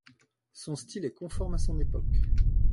Son style est conforme à son époque.